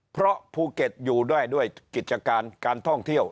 เพราะภูเก็ตอยู่ด้วยด้วยกิจการการท่องเที่ยว